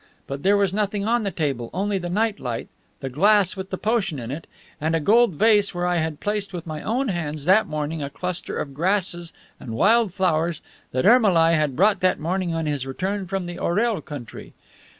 But there was nothing on the table, only the night light, the glass with the potion in it, and a gold vase where I had placed with my own hands that morning a cluster of grasses and wild flowers that Ermolai had brought that morning on his return from the Orel country.